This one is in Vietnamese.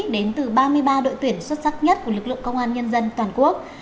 đến từ ba mươi ba đội tuyển xuất sắc nhất của lực lượng công an nhân dân toàn quốc